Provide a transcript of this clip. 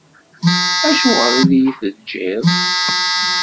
Acuɣer i yi-teǧǧiḍ?